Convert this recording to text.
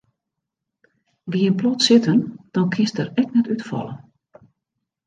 Gean plat sitten dan kinst der ek net útfalle.